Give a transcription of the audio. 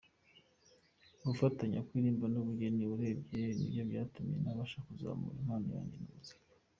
Gufatanya kuririmba n’ubugeni urebye nibyo byatumye ntabasha kuzamura impano yanjye ya muzika.